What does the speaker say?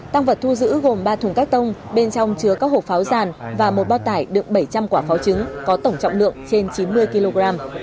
tăng vật thu giữ gồm ba thùng các tông bên trong chứa các hộp pháo giàn và một bao tải được bảy trăm linh quả pháo trứng có tổng trọng lượng trên chín mươi kg